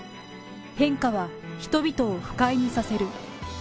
変化は人々を不快にさせる。